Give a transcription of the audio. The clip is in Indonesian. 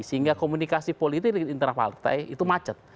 sehingga komunikasi politik di internal partai itu macet